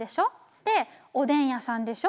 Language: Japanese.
でおでん屋さんでしょ。